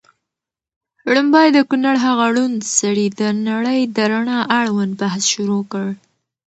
ړومبی د کونړ هغه ړوند سړي د نړۍ د رڼا اړوند بحث شروع کړ